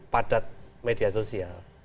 padat media sosial